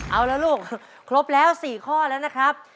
เอาละลูกครบแล้ว๔ข้อแล้วนะครับ